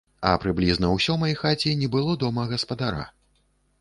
А прыблізна ў сёмай хаце не было дома гаспадара.